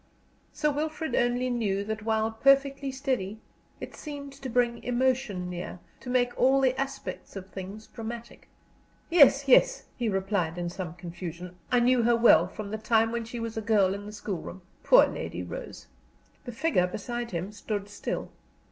Sir Wilfrid only knew that while perfectly steady, it seemed to bring emotion near, to make all the aspects of things dramatic. "Yes, yes," he replied, in some confusion. "I knew her well, from the time when she was a girl in the school room. Poor Lady Rose!" The figure beside him stood still.